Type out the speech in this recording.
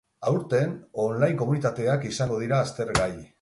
Aurten, on-line komunitateak izango dira aztergai.